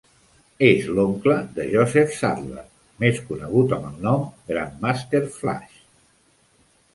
És l'oncle de Joseph Saddler, més conegut amb el nom Grandmaster Flash.